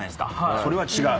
それは違う。